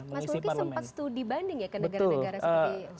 mas walki sempat studi banding ya ke negara negara seperti